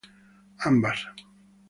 Ambas